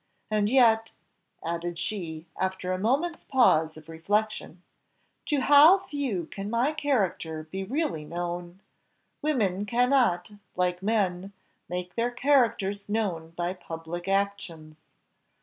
And yet," added she, after a moment's pause of reflection, "to how few can my character be really known! Women cannot, like men, make their characters known by public actions.